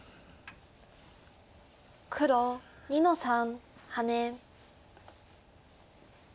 黒２の三ハネ。